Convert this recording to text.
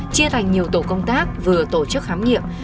chia thành nhiều tổ công tác vừa tổ chức khám nghiệm